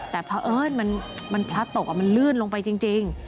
แต่พระเอิ้นมันพราตกแล้วมันลื่นลงไปจริง